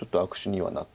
はい。